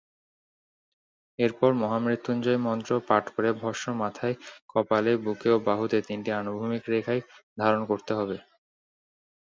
এরপর মহামৃত্যুঞ্জয় মন্ত্র পাঠ করে ভস্ম মাথায়, কপালে, বুকে ও বাহুতে তিনটি আনুভূমিক রেখায় ধারণ করতে হবে।